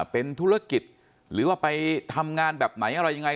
เป็นธุรกิจหรือว่าไปทำงานแบบไหนอะไรยังไง